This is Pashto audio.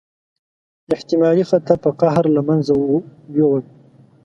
احتمالي خطر په قهر له منځه ووړ.